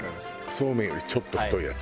そうめんよりちょっと太いやつ。